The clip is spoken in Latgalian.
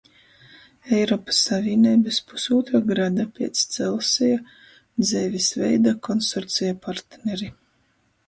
Eiropys Savīneibys pusūtra grada piec Celseja dzeivis veida konsorceja partneri.